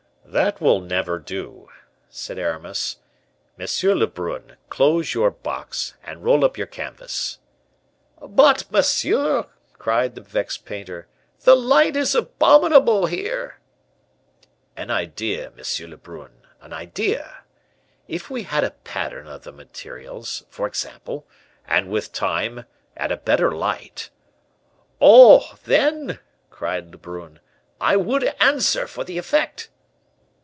"That will never do," said Aramis: "M. Lebrun, close your box, and roll up your canvas." "But, monsieur," cried the vexed painter, "the light is abominable here." "An idea, M. Lebrun, an idea! If we had a pattern of the materials, for example, and with time, and a better light " "Oh, then," cried Lebrun, "I would answer for the effect."